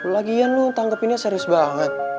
lagian lo tanggepinnya serius banget